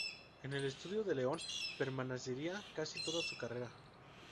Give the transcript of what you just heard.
En el estudio del león permanecería casi toda su carrera.